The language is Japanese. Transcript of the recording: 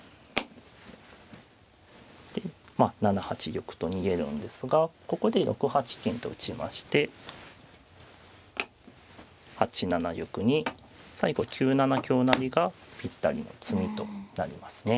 でまあ７八玉と逃げるんですがここで６八金と打ちまして８七玉に最後９七香成がぴったりの詰みとなりますね。